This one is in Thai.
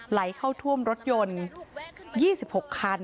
ไหลเข้าท่วมรถยนต์๒๖คัน